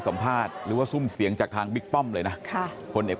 สัมภาษณ์หรือว่าซุ่มเสียงจากทางบิ๊กป้อมเลยนะค่ะพลเอก